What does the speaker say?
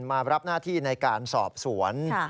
มารับหน้าที่ในการสอบสวน